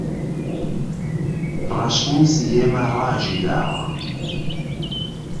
رەشنوسی ئێمە ڕاگیراوە